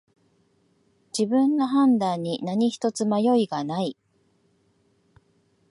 自分の判断に何ひとつ迷いがない